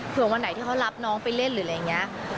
วันไหนที่เขารับน้องไปเล่นหรืออะไรอย่างนี้